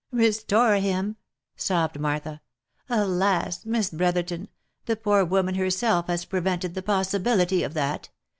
" Restore him !" sobbed Martha. " Alas ! Miss Brotherton, the poor woman herself has prevented the possibility of that